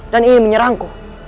dan ingin menyerangku